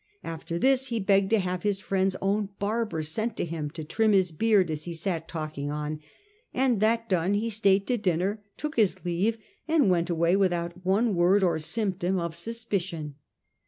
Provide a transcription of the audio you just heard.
After this he begged to have his friend's own bar ber sent to him to trim his beard as he sat talking on ; and that done, he stayed to dinner, took his leave, and went away without one word or symptom of suspicion.